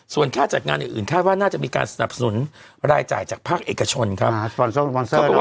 ส่วนค่าจัดงานอื่นคาดว่าน่าจะมีการสนับสนุนรายจ่ายจากภาคเอกชนครับ